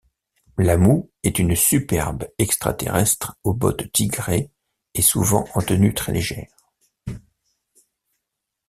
Lamu est une superbe extra-terrestre aux bottes tigrées et souvent en tenue très légère.